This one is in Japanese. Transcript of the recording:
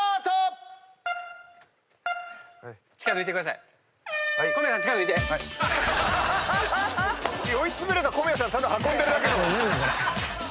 酔いつぶれた小宮さんをただ運んでるだけ。